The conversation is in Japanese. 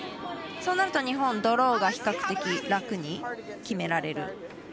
そうなると、日本ドローが比較的、楽に決められる。